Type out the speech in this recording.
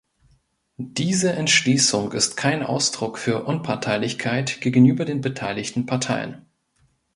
Diese Entschließung ist kein Ausdruck für Unparteilichkeit gegenüber den beteiligten Parteien.